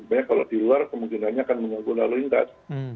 sebenarnya kalau di luar kemungkinannya akan mengganggu lalu lintas